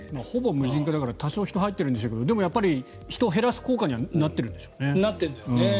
ほぼ無人化だから多少人はいるでしょうけどでもやっぱり人を減らす効果にはなってるんでしょうね。